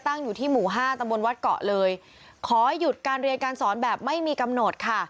อยู่ที่หมู่ห้าตำบลวัดเกาะเลยขอหยุดการเรียนการสอนแบบไม่มีกำหนดค่ะ